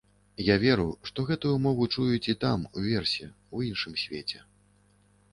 Я веру, што гэтую мову чуюць і там, уверсе, у іншым свеце.